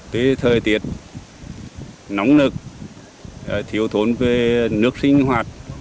tới thời tiệt nóng nực thiếu thốn về nước sinh hoạt